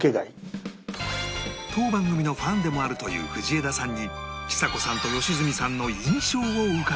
当番組のファンでもあるという藤枝さんにちさ子さんと良純さんの印象を伺うと